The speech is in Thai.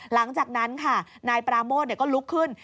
หลังจากนั้นค่ะนายปราโมทก็ลุกขึ้น